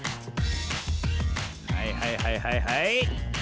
はいはいはいはいはい。